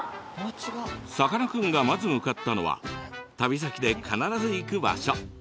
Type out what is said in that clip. さかなクンがまず向かったのは旅先で必ず行く場所。